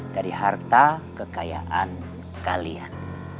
dari harta kekayaan kalian